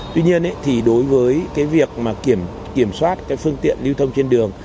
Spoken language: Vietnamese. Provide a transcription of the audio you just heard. tuy nhiên đối với việc kiểm soát phương tiện lưu thông trên đường